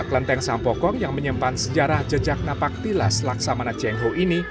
kelenteng sampokong yang menyimpan sejarah jejak napaktilas laksamana tiongho ini